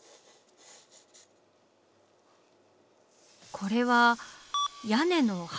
これは屋根の梁？